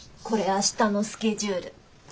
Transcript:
これ明日のスケジュール。